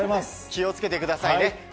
気をつけてくださいね。